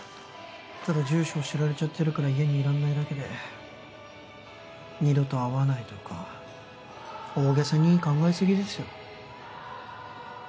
ただ住所を知られちゃってるから家にいらんないだけで二度と会わないとか大げさに考えすぎですよ